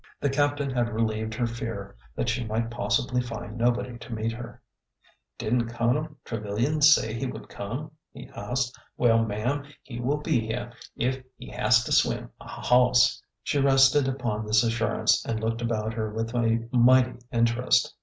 The captain had relieved her fear that she might pos sibly find nobody to meet her. ''Didn't Colonel Trevilian say he would come?" he asked. " Well, ma'am, he will be here if he has to swim a hawss." She rested upon this assurance and looked about her with a mighty interest.